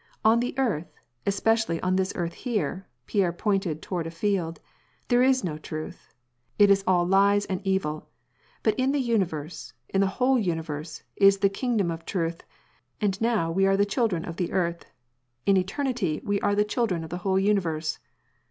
On the earth, especially on this earth here" — Pierre pointed toward a field —" there is no truth ; it is all lies and evil ; but in the universe, in the whole universe, is the kingdom of truth, and now we are the children of the earth ; in eternity we are the children of the whole universe.